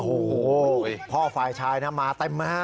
โอ้โหพ่อฝ่ายชายนะมาเต็มนะฮะ